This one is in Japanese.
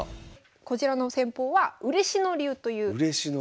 こちらの戦法は嬉野流という嬉野流。